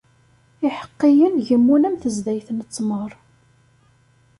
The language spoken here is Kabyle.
Iḥeqqiyen gemmun am tezdayt n ttmer.